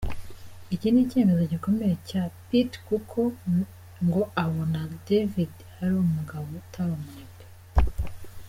Iki ni icyifuzo gikomeye cya Pitt kuko ngo abona David ari umugabo utari umunebwe.